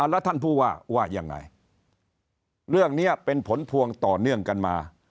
แล้วท่านผู้ว่าว่ายังไงเรื่องนี้เป็นผลพวงต่อเนื่องกันมา